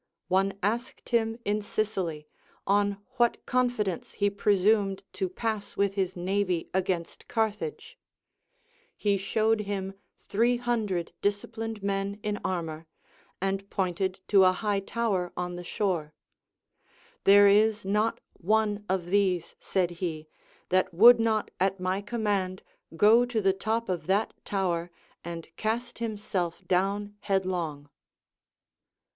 One asked him in Sicily, on what confidence he presumed to pass with his navv against Carthage. He showed him three hundred disciplined men in armor, and pointed to a high tower on the shore ; There is not one of these, said he, that would not at my command go to the top of that tower, and cast himself down headlong.